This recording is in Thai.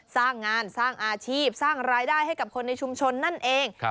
สร้างงานสร้างอาชีพสร้างรายได้ให้กับคนในชุมชนนั่นเอง